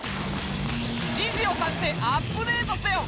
時事を足してアップデートせよ。